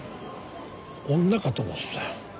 女かと思ってた。